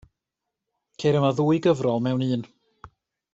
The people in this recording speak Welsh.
Ceir yma ddwy gyfrol mewn un.